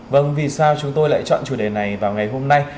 vâng vì sao chúng tôi lại chọn chủ đề này vào ngày hôm nay